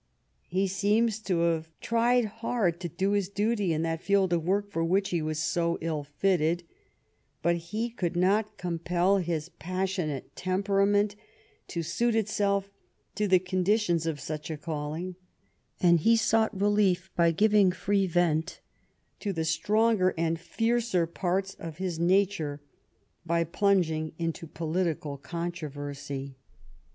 He seems to have tried hard to do his duty in that field of work for which he was so ill fitted, but he could not compel his passionate temperament to suit itself to the conditions of such a calling, and he sought relief by giving free vent to the stronger and fiercer parts of his nature by plunging into political controversy.